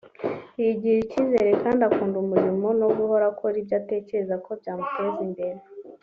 yigirira icyizere kandi akunda umurimo no guhora akora ibyo atekereza ko byamuteza imbere